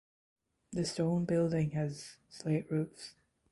The stone building has slate roofs.